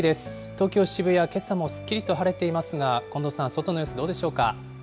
東京・渋谷、けさもすっきりと晴れていますが、近藤さん、外の様